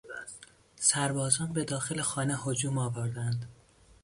سربازان به داخل خانه هجوم آوردند.